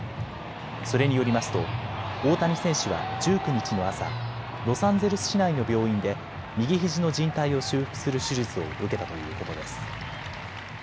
それによりますと大谷選手は１９日の朝、ロサンゼルス市内の病院で右ひじのじん帯を修復する手術を受けたということです。